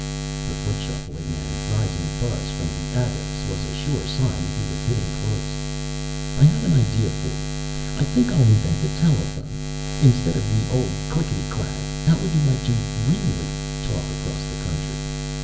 The foot shuffling and rising buzz from the adepts was a sure sign that he was hitting close. "I have an idea for you, I think I'll invent the telephone. Instead of the old clikkety clack how would you like to really talk across the country?